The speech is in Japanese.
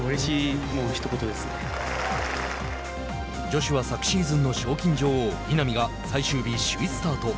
女子は、昨シーズンの賞金女王稲見が最終日首位スタート。